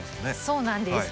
そうなんです。